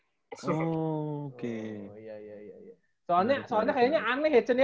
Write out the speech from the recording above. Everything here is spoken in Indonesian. soalnya kayaknya aneh hecen ya